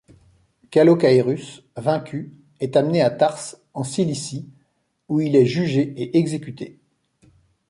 Calocaerus, vaincu, est amené à Tarse, en Cilicie, où il est jugé et exécuté.